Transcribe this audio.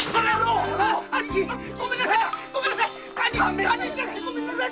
兄貴ごめんなさい。